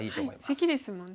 セキですもんね。